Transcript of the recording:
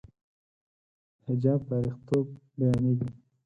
د حجاب تاریخيتوب بیانېږي.